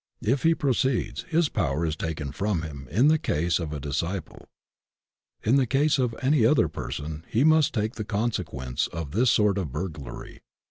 If he pro ceeds his power is taken from him in the case of a dis ciple; in the case of any other person he must take the consequence of this sort of burglary.